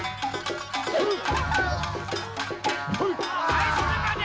はいそれまで！